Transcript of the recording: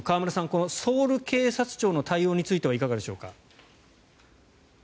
このソウル警察庁の対応についてはいかがでしょうか？